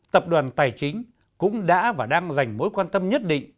tập đoàn tài chính cũng đã và đang dành mối quan tâm nhất định